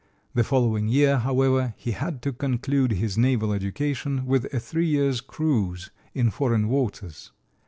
The following year, however, he had to conclude his naval education with a three years' cruise in foreign waters.